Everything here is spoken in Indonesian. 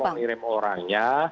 ada yang mengirim orangnya